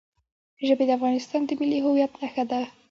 ژبې د افغانستان د ملي هویت نښه ده.